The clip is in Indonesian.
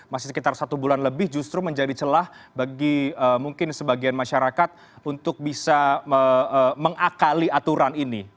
masih sekitar satu bulan lebih justru menjadi celah bagi mungkin sebagian masyarakat untuk bisa mengakali aturan ini